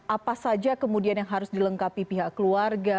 apa saja kemudian yang harus dilengkapi pihak keluarga